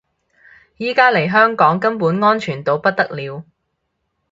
而家嚟香港根本安全到不得了